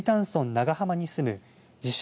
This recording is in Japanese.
長浜に住む自称